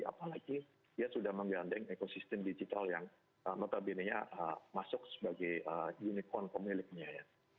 apalagi dia sudah menggandeng ekosistem digital yang notabene nya masuk sebagai unicorn pemiliknya ya